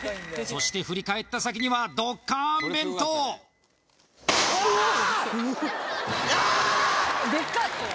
そして振り返った先にはどっかん弁当うわっやあっ